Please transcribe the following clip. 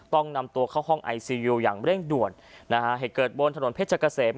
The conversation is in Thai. ต้องนำตัวเข้าห้องไอซียูอย่างเร่งด่วนนะฮะเหตุเกิดบนถนนเพชรเกษม